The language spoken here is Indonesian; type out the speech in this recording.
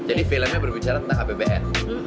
filmnya berbicara tentang apbn